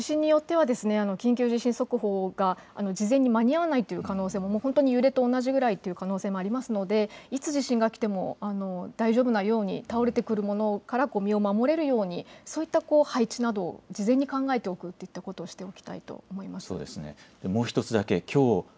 地震によっては、緊急地震速報が事前に間に合わないという可能性も、本当に揺れと同じぐらいという可能性もありますので、いつ地震が来ても大丈夫なように、倒れてくるものから身を守れるようにそういった配置などを事前に考えておくといったことをしておきたいと思いますね。